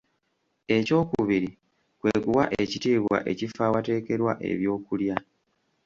Ekyokubiri kwe kuwa ekitiibwa ekifo ewategekerwa ebyokulya.